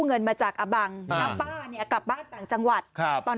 เงินมาจากอบังแล้วป้าเนี่ยกลับบ้านต่างจังหวัดครับตอน